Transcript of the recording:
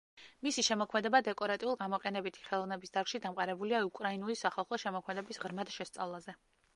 მისი შემოქმედება დეკორატიულ-გამოყენებითი ხელოვნების დარგში დამყარებულია უკრაინული სახალხო შემოქმედების ღრმად შესწავლაზე.